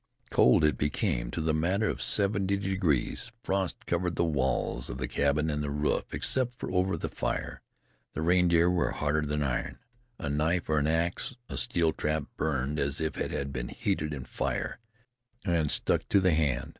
Cold it became, to the matter of seventy degrees. Frost covered the walls of the cabin and the roof, except just over the fire. The reindeer were harder than iron. A knife or an ax or a steel trap burned as if it had been heated in fire, and stuck to the hand.